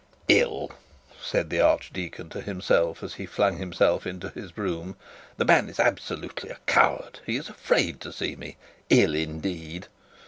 'Ill!' said the archdeacon to himself as he flung himself into his brougham. 'The man is absolutely a coward. He is afraid to see me. Ill, indeed!'